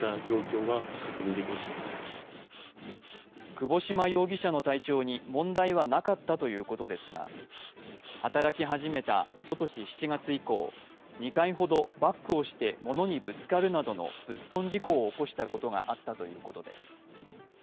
窪島容疑者の体調に問題はなかったということですが、働き始めたおととし７月以降、２回ほどバックして物にぶつかるなどの物損事故を起こしたことがあったということです。